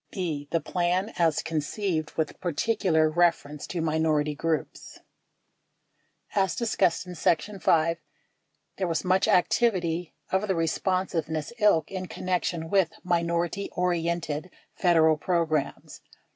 42 B. The Plan as Conceived With Particular Reference to Minority Groups As discussed in section Y, there was much activity of the respon siveness ilk in connection with minority oriented Federal programs.